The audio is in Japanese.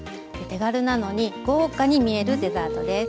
手軽なのに豪華に見えるデザートです。